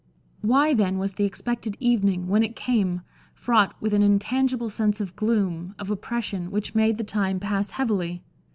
Why then was the expected evening, when it came, fraught with an intangible sense of gloom, of oppression, which made the time pass heavily?